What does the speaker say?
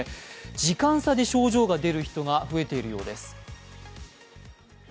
時間差で症状が出る人が増えているようです。